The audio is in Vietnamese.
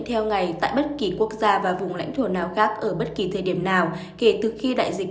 theo ngày tại bất kỳ quốc gia và vùng lãnh thổ nào khác ở bất kỳ thời điểm nào kể từ khi đại dịch